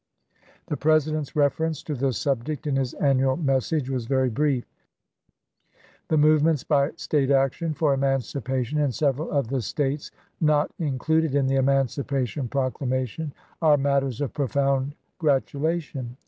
The President's reference to the subject in his annual message was very brief :" The movements by State action for emancipation in several of the States not included in the Emancipation Proclama tion are matters of profound gratulation.